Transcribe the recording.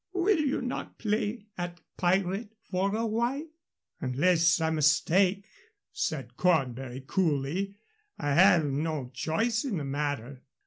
Will you not play at pirate for a while?" "Unless I mistake," said Cornbury, coolly, "I have no choice in the matter.